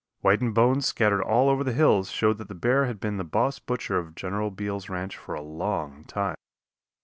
Whitened bones scattered all over the hills showed that the bear had been the boss butcher of General Beal's ranch for a long time.